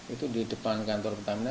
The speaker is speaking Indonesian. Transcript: itu di depan kantor pertamina